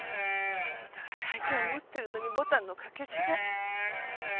お互い相手を思ってるのにボタンの掛け違い。